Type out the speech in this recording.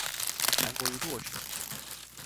韓國瑜落選